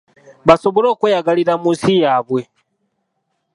Basobole okweyagalira mu nsi yaabwe.